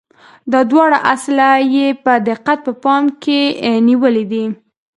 دا دواړه اصله یې په دقت په پام کې نیولي دي.